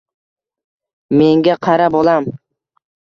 Menga qara, bolam.